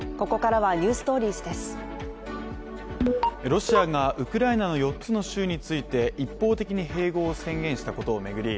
ロシアがウクライナの４つの州について、一方的に併合を宣言したことを巡り